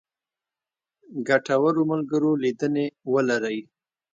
ګټورو ملګرو لیدنې ولرئ.